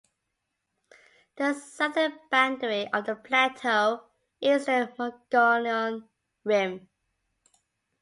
The southern boundary of the plateau is the Mogollon Rim.